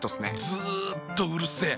ずっとうるせえ。